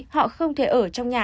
họ không thể ở trong nhà